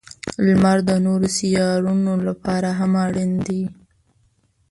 • لمر د نورو سیارونو لپاره هم اړین دی.